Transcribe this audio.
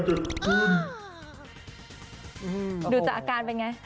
ดูเศรษฐ์อาการเป็นยังไง